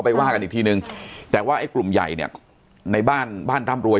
ว่ากันอีกทีนึงแต่ว่าไอ้กลุ่มใหญ่เนี่ยในบ้านบ้านร่ำรวย